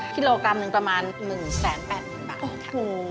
กิโลกรัมนึงประมาณ๑๘๐๐๐๐บาท